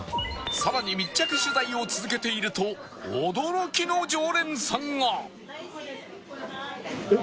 さらに密着取材を続けていると驚きの常連さんが